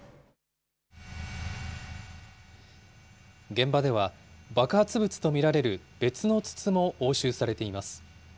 現場では、爆発物と見られる別の筒も押収されています。